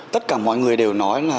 tất cả mọi người đều nói là